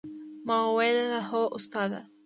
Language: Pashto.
ما وويل هو استاده!